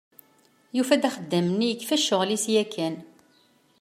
Yufa-d axeddam-nni yekfa ccɣel-is yakan.